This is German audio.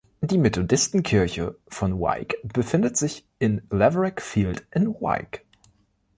Die Methodistenkirche von Wyke befindet sich in Laverack Field in Wyke.